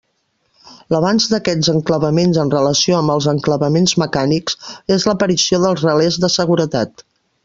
L'avanç d'aquests enclavaments en relació amb els enclavaments mecànics, és l'aparició dels relés de seguretat.